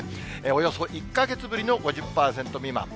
およそ１か月ぶりの５０％未満。